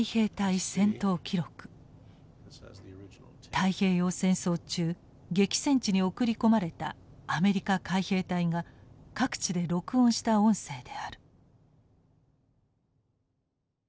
太平洋戦争中激戦地に送り込まれたアメリカ海兵隊が各地で録音した音声である。